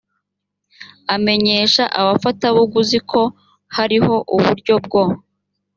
amenyesha abafatabaguzi ko hariho uburyo bwo